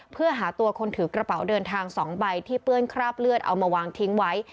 เพื่อหาตัวคนถือกระเป๋าเดินทาง๒ใบที่เปื้อนคราบเลือดเอามาวางทิ้งไว้